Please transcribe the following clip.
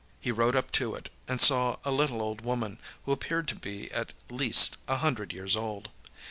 He rode up to it, and saw a little old woman, who appeared to be at least a hundred years old.